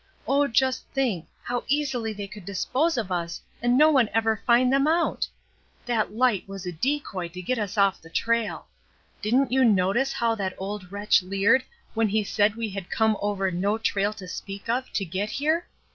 Oh, just think ! how easily they could dispose of us and no one ever find them out ! That light was a decoy to get us off the trail. Didn't you notice how that old wretch leered when he said we had come over ' no trail to speak oV to get here?